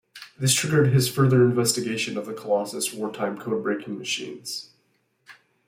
This triggered his further investigation of the Colossus wartime code-breaking machines.